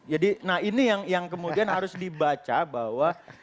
jadi nah ini yang kemudian harus dibaca bahwa